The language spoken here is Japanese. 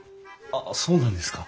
ああそうなんですか。